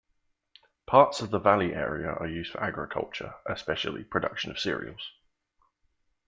Parts of the valley areas are used for agriculture, especially production of cereals.